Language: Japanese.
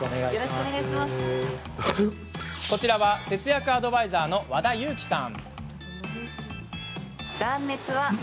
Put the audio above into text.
こちらは、節約アドバイザーの和田由貴さん。